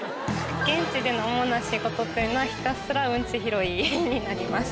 現地での主な仕事というのは、ひたすらうんち拾いになります。